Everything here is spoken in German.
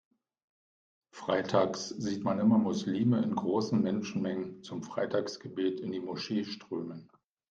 Freitags sieht man immer Muslime in großen Menschenmengen zum Freitagsgebet in die Moschee strömen.